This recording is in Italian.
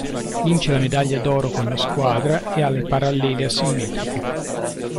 Vince la medaglia d'oro con la squadra e alle parallele asimmetriche.